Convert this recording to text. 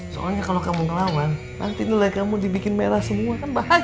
soalnya kalau kamu ngelawan nanti nilai kamu dibikin merah semua kan bahaya